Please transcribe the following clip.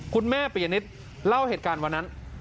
คุณแม่เปียนนิดเล่าเหตุการณ์วันนั้น